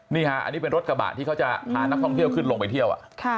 นี่ค่ะอันนี้เป็นรถกระบะที่เขาจะพานักท่องเที่ยวขึ้นลงไปเที่ยว